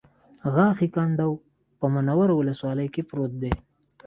غاښی کنډو په منوره ولسوالۍ کې پروت دی